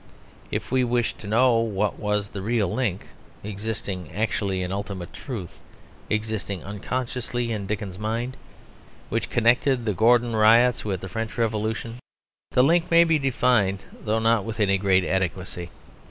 If we wish to know what was the real link, existing actually in ultimate truth, existing unconsciously in Dickens's mind, which connected the Gordon Riots with the French Revolution, the link may be defined though not with any great adequacy.